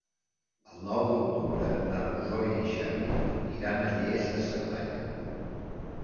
El nou d'octubre na Rosó i en Xavi iran a Lles de Cerdanya.